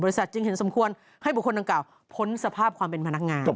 จึงเห็นสมควรให้บุคคลดังกล่าวพ้นสภาพความเป็นพนักงาน